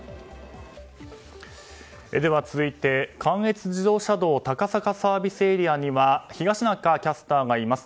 続いて関越自動車道高坂ＳＡには東中キャスターがいます。